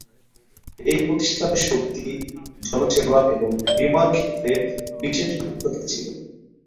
এই প্রতিষ্ঠানের শক্তি, জনসেবা এবং বীমার ক্ষেত্রে বিশেষ দক্ষতা ছিল।